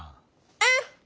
うん！